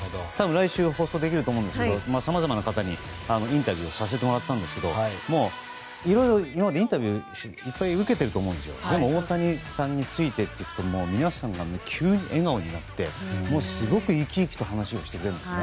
来週、放送できると思いますがさまざまな方にインタビューをさせてもらったんですがもう、いろいろインタビューいっぱい受けていると思いますがでも、大谷さんについて皆さんが急に笑顔になって、すごく生き生き話をしてくれるんです。